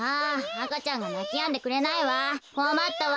赤ちゃんがなきやんでくれないわこまったわ。